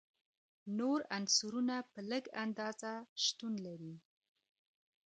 نور عنصرونه په لږه اندازه شتون لري.